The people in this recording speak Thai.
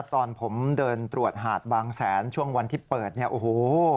ตอนผมเดินตรวจหาดบางแสนช่วงวันที่เปิดเนี่ยโอ้โห